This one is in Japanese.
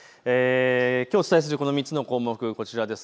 きょうお伝えする３つの項目、こちらです。